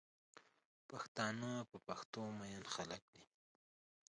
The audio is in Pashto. پښتانه په پښتو مئین خلک دی